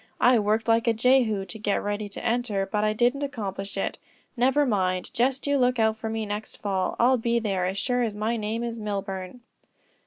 "I worked like a Jehu to get ready to enter, but I didn't accomplish it; never mind, just you look out for me next fall. I'll be there as sure as my name is Milburn."